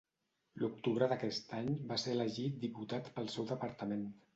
L'octubre d'aquest any va ser elegit diputat pel seu departament.